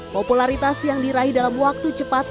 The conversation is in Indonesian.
popularitas yang diraih dalam waktu cepat